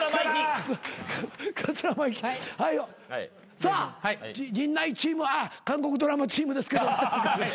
さあ陣内チームあっ韓国ドラマチームですけど。